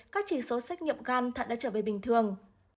các chỉ số xét nghiệm gan thận đã trở về bình thường